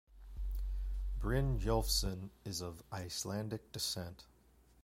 Brynjolfsson is of Icelandic descent.